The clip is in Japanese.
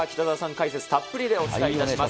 解説たっぷりでお伝えいたします。